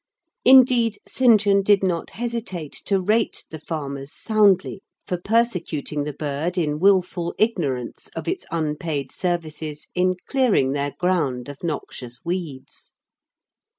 Indeed, St. John did not hesitate to rate the farmers soundly for persecuting the bird in wilful ignorance of its unpaid services in clearing their ground of noxious weeds.